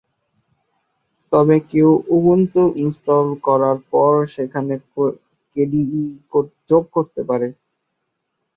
তবে কেউ Ubuntu install করার পর সেখানে কেডিই যোগ করতে পারে।